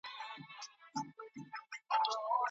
که یتیمانو ته پاملرنه وسي، نو هغوی پر سړکونو نه بې کوره کیږي.